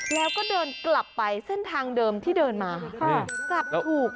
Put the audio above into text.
แล้วก็เดินกลับไปเส้นทางเดิมที่เดินมาจับถูก